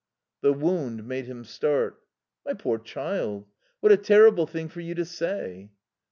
The wound made him start. "My poor child, what a terrible thing for you to say."